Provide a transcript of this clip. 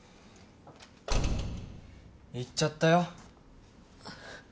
行っちゃったよ。